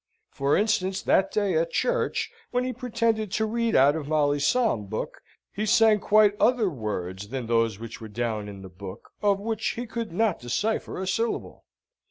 For instance, that day at church, when he pretended to read out of Molly's psalm book, he sang quite other words than those which were down in the book, of which he could not decipher a syllable.